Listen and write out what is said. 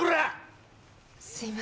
すいません。